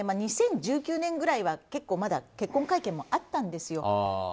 ２０１９年くらいは結構まだ結婚会見もあったんです。